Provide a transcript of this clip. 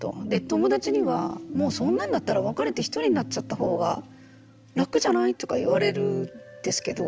友達にはもうそんなんだったら別れて一人になっちゃったほうが楽じゃない？とか言われるんですけど。